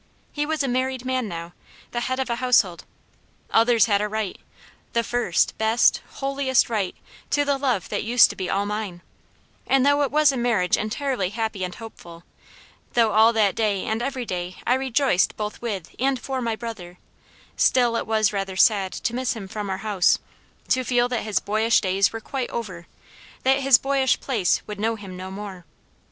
He was a married man now, the head of a household; others had a right the first, best, holiest right to the love that used to be all mine; and though it was a marriage entirely happy and hopeful, though all that day and every day I rejoiced both with and for my brother, still it was rather sad to miss him from our house, to feel that his boyish days were quite over that his boyish place would know him no more.